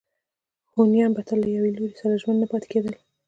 هونیان به تل له یوه لوري سره ژمن نه پاتې کېدل.